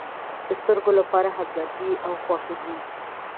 د سترگو لپاره همدردي او خواخوږي.